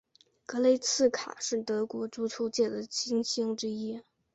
格雷茨卡是德国足球界的新星之一。